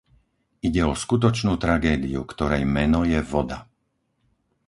Ide o skutočnú tragédiu, ktorej meno je voda.